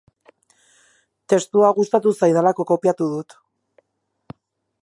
Testua gustatu zaidalako kopiatu dut.